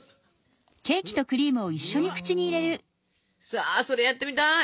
さあそれやってみたい！